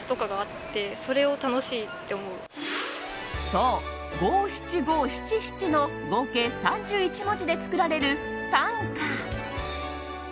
そう、五七五七七の合計３１文字で作られる短歌。